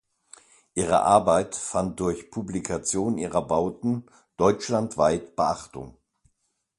Ihre Arbeit fand durch Publikation ihrer Bauten deutschlandweit Beachtung.